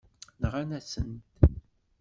Nɣan-asen-t.